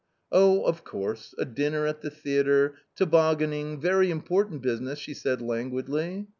"Oh, of course: a dinner at the theatre, tobogganing — very important business," she said languidly.